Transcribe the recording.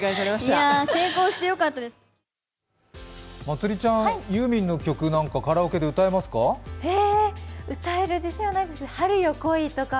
まつりちゃん、ユーミンの曲なんかカラオケで歌えますか？